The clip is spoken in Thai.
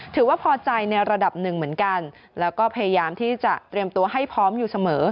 ถือว่าพอใจในระดับหนึ่งเหมือนกันแล้วก็พยายามที่จะเตรียมตัวให้พร้อมอยู่เสมอ